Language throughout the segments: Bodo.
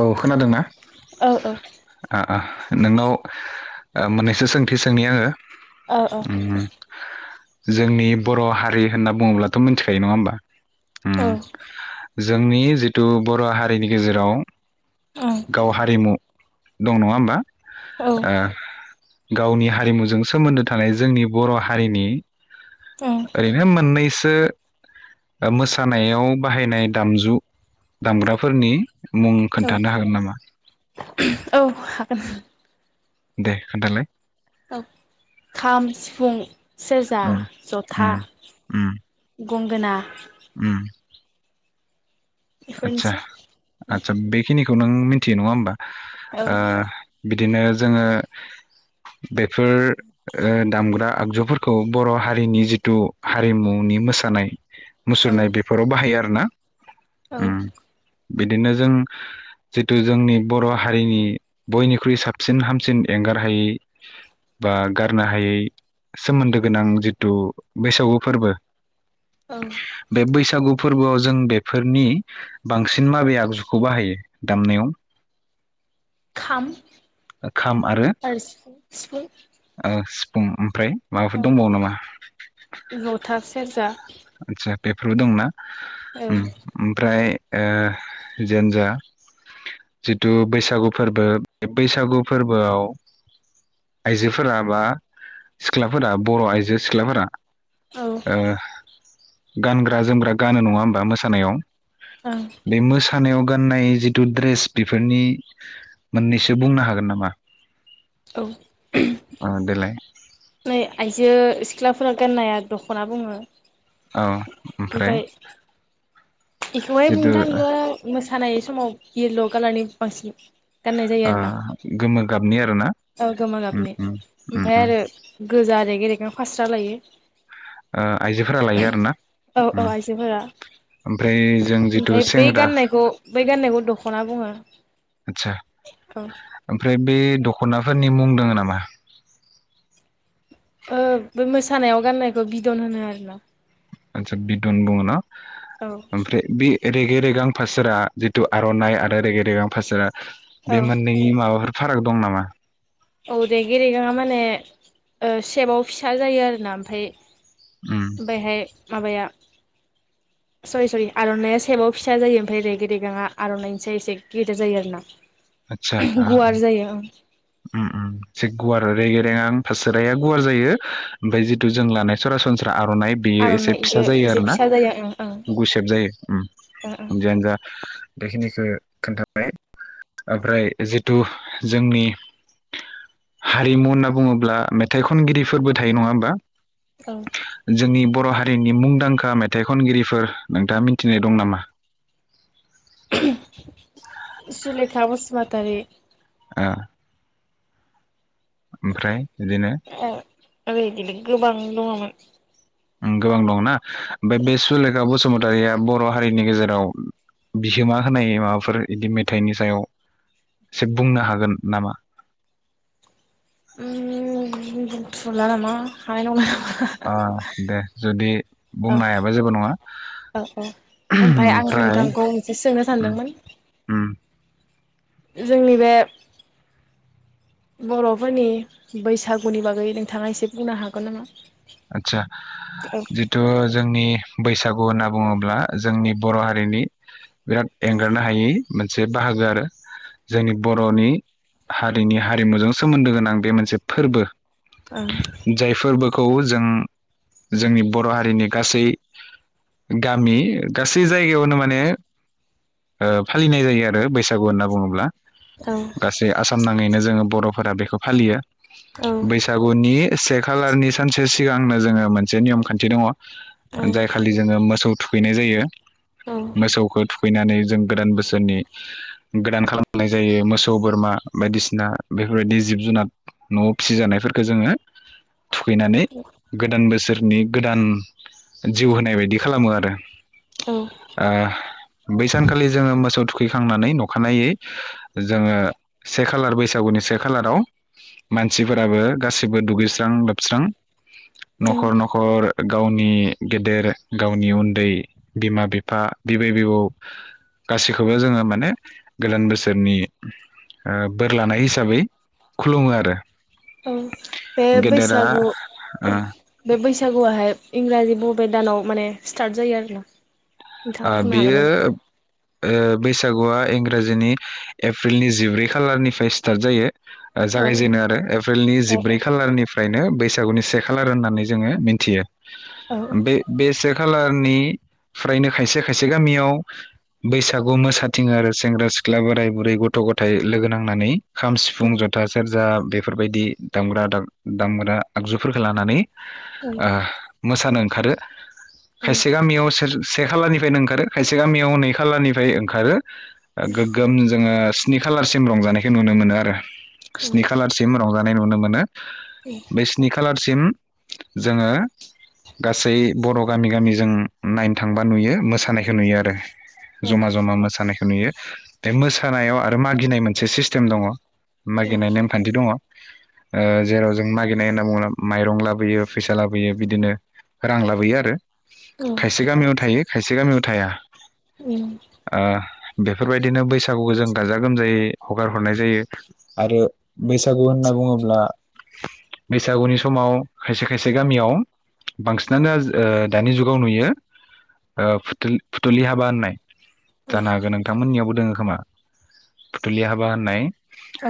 औ खोनादोंना औ आ आ? नोंनाव ओ मोननैसो सोंथि सोंनि आङो औ औ उम जोंनि बर' हारि होनना बुङोब्लाथ' मिथिखायो नङा होमबा? उम औ जोंनि जिथु बर' हारिनि गेजेराव गाव हारिमु दं नङा होमबा औ ओ गावनि हारिमुजों सोमोन्दो थानाय जोंनि बर' हारिनि ओं ओरैनो मोननैस सो मोसानायाव बाहायनाय दामजु दामग्राफोरनि मुं औ खोनथा नो हागोन नामा? [inaudible] दे खोनथालाय औ खाम सिफुं सेरजा उम जथा उम गंगोना उ आदसा बेफोरनोसै आदसा बेखिनि खौ नों मिथियो नङा होमबा? औ आ बि दिनो जोङो बेफोर ओ दामग्रा आगजु फोरखौ बर' हारिनि जिथु हारिमुनि मोसानाय औ मुसुरनाय बेफोराव बाहायो आरो ना औ बिदिनो जों जिथु जोंनि बर' हारिनि बयनिख्रुइ साबसिन हामसिन एंगार हायै बा गारनो हायै सोमोन्दो गोनां जिथु बैसागु फोरबो औ बे बैसागु फोरबोआव जों बेफोरनि बांसिन माबे आगजुखौ बाहायो दामनायाव? खाम खाम आरो ओ सि फुं ओमफ्राय? माबाफोर दंबावो नामा अउ जथा सेरजा आतसा बेफोरबो दंना? औ ओम ओमफ्राय ओ जेयानोजा जिथु बैसागु फोरबो बे बैसागु फोरबोआव आइजोफोरा बा सिख्लाफोरा बर' आइजो सिख्लाफोरा औ ओ गानग्रा जोमग्रा गानो नङा होमबा मोसानायाव। ओं बे मोसानायाव गाननाय जिथु द्रेस बेफोरनि मोननैसो बुंनो हागोन नामा? औ ओ देलाय नै आइजो सिख्लाफोरा गाननाया दख'ना बुङो। औ ओमफ्राय इखौहाय बुंनो जिथु थाङो मोसानाय समाव येल' कालारनि बांसिन गाननाय जायो आ आरोना गोमो गाबनि आरो ना। औ गोमो गाबनि ओमफाय आरो गोजा रेगे रेगां फास्रा लायो ओ आइजोफोरा लायो आरोना औ उम औ आइजोफोरा ओमफ्राय जों जिथु ओमफाय बै सेंग्रा गाननायखौ बै गाननायखौ दखना बुङो। आदसा ओमफ्राय बे ओमफ्राय दख'ना फोरनि मुं दोङो नामा? ओ बै मोसानायाव गाननायखौ बिदन होनो आरोना। आदसा बिदन बुङोना औ ओमफ्राय बे रेगे रेगां फासोरा जिथु आर'नाइ आरो रेगे रेगां फासारा औ बे मोननै माबाफोर फाराग दं नामा? औ देगे रेगाङा माने सेबाव फिसा जायो आरो ना ओमफाय उम बेहाय माबाया सरि सरि आर'नाइया सेबाव फिसा जायो ओमफाय रेगे रेगाङा आर'नाइनिसाय एसे गेदेर जायो आरो ना। आदसा गुवार जायो ओं उम उम एसे गुवार रेगे रेगां फासोराया गुवार जायो ओमफाय जिथु जों लानाय सरासनस्रा आर'नाइ बियो एसे आर'नाइ फिसा इयो जायो एसे आरोना फिसा जायो ओं ओं गुसेब जायो ओं उम जियानोजा बेखिनिखो खोन्थाबाय ओमफ्राय जिथु जोंनि हारिमु होनना बुङोब्ला मेथाइ खनगिरिफोरबो थायो नङा होमबा? ओं औ जोंनि बर' हा रिनि मुंदांखा मेथाइ खनगिरिफोर नोंथाङा मिनथिनाय दं नामा? सुलेखा बसुमातारी। आ ओमफ्राय बिदिनो ओ इदिनो गोबां दङमोन। उम गोबां दंना? बे बसुलेखा बसु मतारिया बर' हारिनि गेजेराव बिहोमा होनाय माबाफोर बिदि मेथाइनि सायाव एसे बुंनो हागोन नामा? ओम बुंथ'ला नामा हानाय नंला। ओ दे जुदि औ बुंनो हायाबा जेबो नङा औ औ आं ओमफ्राय। नोंथांखौ मोनसे सोंनो सानदोंमोन जोंनि बे बर'फोरनि बैसागुनि बागै नोंथाङा एसे बुंनो हागोन नामा? आतसा औ जिथु जोंनि बैसागु होनना बुङोब्ला जोंनि बर' हारिनि बिराद एंगारनो हायि मोन मोनसे बाहागो आरो जोंनि बर'नि हारिनि हारिमुजों सोमोन्दो गोनां बे मोनसे फोरबो। ओं जाय फोरबोखौ खौ जों जोंनि बर' हारिनि गासै गामि गासै जायगायावनो माने ओ फालिनाय जायो आरो बैसागु होनना बुङोब्ला औ गासै आसाम नाङैनो जोङो बर' फोरा बेखौ फालियो। औ बैसागुनि से खालारनि सानसे सिगांनो जोङो मोनसे नियम खान्थि दङ। औ जाय खालि जोङो मोसौ थुखैनाय जायो। मोसौखौ थुखैनानै जों गोदान बोसोरनि गोदान खालामनाय जायो मोसौ बोरमा बायदिसिना बेफोरबायदि जिब जुनार न'आव फिसिजानायफोरखौ जोङो खैनानै गोदान बोसोर नि गोदान जिउ होनाय बायदि खालामो आरो। औ ओ बैसानखालि जोङो मोसौ थुखैखांनानै अखानायै जोङो से खालार बैसागुनि से खालाराव मानसिफोराबो गासिबो दुगैस्रां लोबस्रां न'खर न'खर गावनि गेदेर गावनि उन्दै बिमा बिफा बिबै बिबौ गासैखौबो जोङो माने गोदान बोसोरनि बोर लानाय हिसाबै खुलुमो आरो। औ बे गेदेरा बैसागु ओ बे बैसागुआहाय इंराजि बबे बबे दानाव माने स्टार्ट जायो आरोना। ओ नोंथाङा बुंनो हागोन बेयो नामा ओ बैसागुआ इंराजिनि एप्रिलनि जिब्रै खालारनिफ्राय स्टार्ट जायो। औ जागायजेनो आरो एप्रिलनि जिब्रै खालारनिफ्रायनो बैसागुनि से खालार होननानै जोङो मिनथियो बे बे से खालारनि फ्रायनो खायसे खायसे गामियाव बैसागु मोसाथिं आरो सेंग्रा सिख्ला बोराय बुरै गथ गथाय लोगो नांनानै खाम सिफुं जथा सेरजा बे बेफोरबायदि दामग्रा दा दामग्रा आगजुफोरखौ लानानै ओ मोसानो ओंखारो खायसे गामियाव सोर से खालारनिफ्रायनो ओंखारो खायसे गामियाव नै खालारनिफ्राय ओंखारो गोगोम जोङो स्नि खालारसिम रंजानायखौ नुनो मोनो आरो स्नि खालारसिम रंजा नाय नुनो मोनो बे स्नि खालार सिम जोङो गासै बर‌' गामि गामि जों नाय थांबा नुयो मोसानायखौ नुयो आरो जमा जमा मोसानायखौ नुयो बे मोसानायाव आरो मागिनाय मोनसे सिस्टेम दङ मागिनाय नेमखान्थि दङ ओ जेराव जों मागिरनाय होनना बुङोब्ला माइरं लाबोयो फैसा लाबोयो बिदिनो रां लाबोयो आरो औ खायसे गामियाव थायो खायसे गामियाव थाया ओ बेफोरबायदिनो बैसागुखौ जों गाजा गोमजायै हगार हरनाय जायो आरो बैसागु होनना बुङोब्ला बैसागुनि समाव खायसे खायसे गामियाव बांसिनानो आज ओ दानि जुगाव नुयो ओ फुथुल फुथुलि हाबा होननाय जानो हागो नोंथांमोननियावबो दों खोमा फुथुलि हाबा होननाय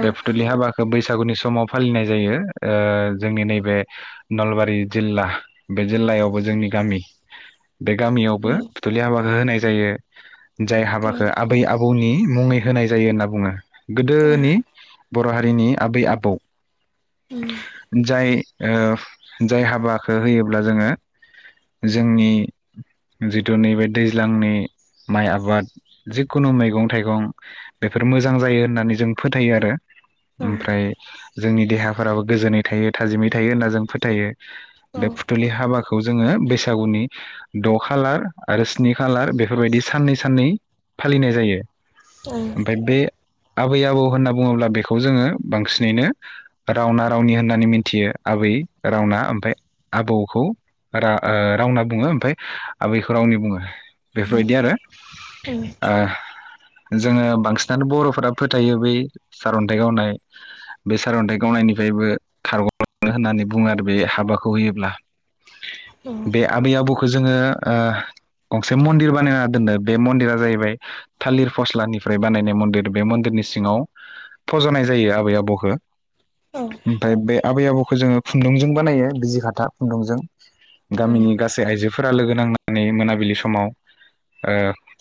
बे फुथुलि हाबाखौ बैस बैसागुनि समाव फालिनाय जायो जोंनि नैबे नलबारि जिल्ला बे जिल्लायावबो जोंनि गामि। बे गामियावबो फुथुलि हाबाखौ होनाय। जायो। जाय हाबाखौ आबै-आबौनि मुङै होनाय जायो होनना बुङो। गोदोनि बर' हारिनि आबै-आबौ जाय जाय हाबाखौ होयोब्ला जोङो जोंनि जिथु नैबे दैज्लांनि माइ आबाद जिखुनु मैगं थाइगं बेफोर मोजां जायो होननानै जों फोथायो आरो। ओमफ्राय जोंनि देहाफोराबो गोजोनै थायो थाजिमै थायो होनना जों फोथायो। बे फुथुलि हाबाखौ खौ जोङो बैसागुनि द' खालार आरो स्नि खालार बेफोरबायदि साननै साननै फालिनाय जायो ओमफ्राय बे आबै आबौ होनना बुङोब्ला बेखौ जोङो बांसिनैनो रावना रावनि होननानै मिन्थियो आबै रावना ओमफ्राय आबौखौ रावना बुङो ओमफ्राय आबैखौ रावनि बुङो। बेफोरबायदि आरो जोङो बांसिनानो बर'फोरा फोथायो बै सारन्थाइ गावनाय बे सारन्थाइ गावनायनिफ्रायबो खारग' होननानै बुङो आरो बे हाबाखौ होयोब्ला। बे आबै आबौखौ जोङो गंसे मन्दिर बानायना दोननो बे मन्दिरा जाहैबाय थालिर फस्लानिफ्राय बानायनाय मन्दिर बे मन्दिरनि सिङाव फज'नाय जायो आबै-आबौखौ ओमफ्राय बे आबै-आबौ बेखौ जोङो खुन्दुंजों बानायो बिजि खाथा खुन्दुंजों गामिनि गासै आइजो फोर लोगो नांनानै मोनाबिलि समाव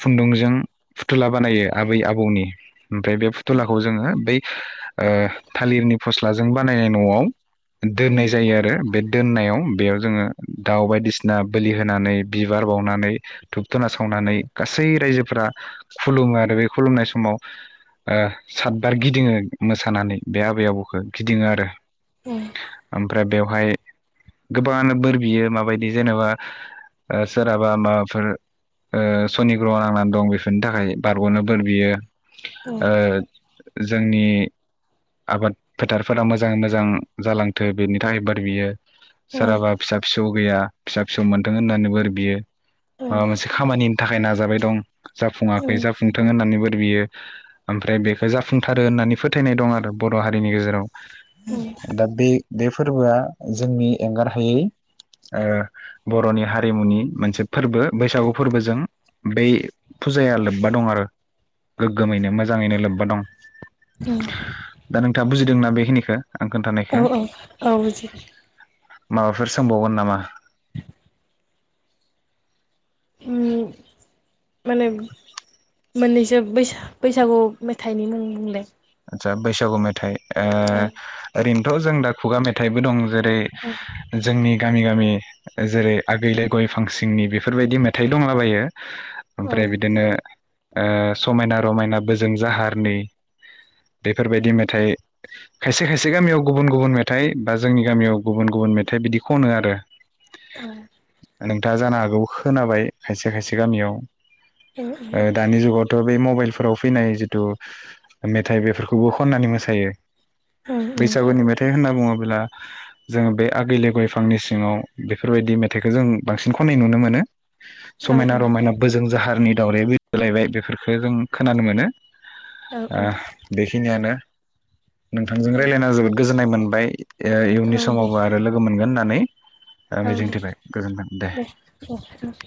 खुन्दुंजों फुथुला बानायो आबै-आबौनि ओमफ्राय बे फुथुलाखौ जोङो बै [inaudible] थालिरनि फस्लाजों बानायनाय न'आव दोननाय जायो आरो बे दोननायाव बेयाव जोङो दाउ बायदिसिना बोलि होनानै बिबार बावनानै धुप धुना सावनानै गासै रायजोफोरा खुलुमो आरो बे खुलुमनाय समाव सातबार गिदिङो मोसानानै बे आबै आबौखौ गिदिङो आरो औ। ओमफ्राय बेवहाय गोबां बोर बियो माबायदि जेनेबा ओ सोरहाबा माबाफोर सनिग्रह नांनानै दं बेफोरनि थाखाय बारग'नो बोर बियो ओ जोंनि आबाद फोथारफोरा मोजाङै मोजां जालांथों बेनि थाखाय बोर बियो सोरहाबा फिसा फिसौ गैया फिसा फिसौ मोन्थों होननानै बोर बियो माबा मोनसे खामानि थाखाय नाजाबाय दं जाफुङाखै जाफुंथों होननानैबो बियो ओमफ्राय बेखौ जाफुंथारो होननानै फोथायनाय दं आरो बर' हारिनि गेजेराव दा बे बे फोरबोआ जोंनि एंगारहायै ओ बर'नि हारिमुनि मोनसे फोरबो बैसागु फोरबोजों बै फुजाया लोब्बा दं आरो गोग्गोमैनो मोजाङैनो लोब्बा दं दा नोंथाङा बुजि दोंना बेखिनिखौ आं औ खोन्थानायखौ औ औ बुजिदो माबाफोर सोंबावगोन नामा? उम माने मोननैसो बैसा बैसागु मेथाइनि मुं बुंलाय आतसा बैसागु मेथाइ ओ ओं ओरै थ' जों दा खुगा मेथाइबो दं जेरै ओं जोंनि गामि गामि जेरै आगैलै गय फांसिंनि बेफोरबायदि मेथाइ दंलाबायो औ ओमफ्राय औ बिदिनो ओ समायना रमायना बोजों जाहारनि बेफोरबायदि मेथाइ खायसे खायसे गामियाव गुबुन गुबुन मेथाइ बा जोंनि गामियाव गुबुन गुबुन मेथाइ बिदि खनो आरो औ था जानो हागौ खोनाबाय खायसे खायसे गामियाव ओ दानि जुगावथ' बे मबाइल फोराव फैनाय जिथु मेथाइ बेफोरखौबो खननानै मोसायो औ बैसागुनि मेथाइ होनना बुङो ब्ला जोङो बे आगै लै गयफांनि सिङाव बेफोरबायदि मेथाइखौ जों बांसिन खननाय नुनो मोनो। औ औ समायना औ रमायना बोजों जाहारनि दावराय बिरबो लायबाय बेफोरखौ जों खोनानो मोनो औ ओ बेखिनियानो। नोंथांजों औ रायलायना जोबोद गोजोननाय मोनबाय। ओ औ इयुननि दे समावबो आरो लोगो मोनगोन होननानै। ओ औ दे मिजिंथिबाय गोजोन्थों दे औ ओम।